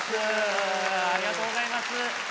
ありがとうございます。